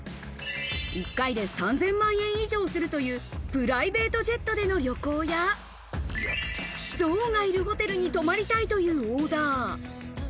１回で３０００万円以上するというプライベートジェットでの旅行や、ゾウがいるホテルに泊まりたいというオーダー。